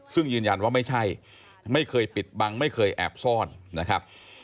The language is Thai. ซึ่งยืนยันว่าไม่ใช่ไม่เคยปิดบังไม่เคยแอบซ่อนนะครับ